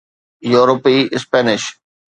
يورپي اسپينش